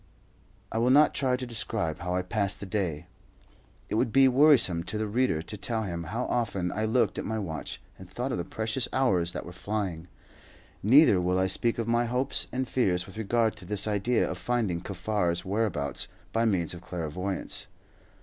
I will not try to describe how I passed the day. It would be wearisome to the reader to tell him how often I looked at my watch and thought of the precious hours that were flying; neither will I speak of my hopes and fears with regard to this idea of finding Kaffar's whereabouts by means of clairvoyance.